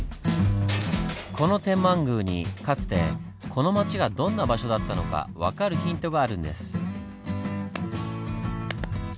この天満宮にかつてこの町がどんな場所だったのか分かるヒントがあるんです。